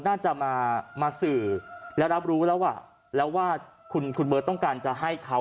น่าจะมาสื่อแล้วรับรู้แล้วอ่ะแล้วว่าคุณคุณเบิร์ตต้องการจะให้เขา